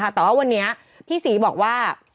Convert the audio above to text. แต่ว่าวันนี้พี่ศรีบอกว่า